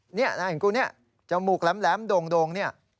หน้าเห็นกูนี่จมูกแหลมโด่ง